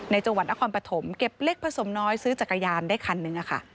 จังหวัดนครปฐมเก็บเล็กผสมน้อยซื้อจักรยานได้คันนึง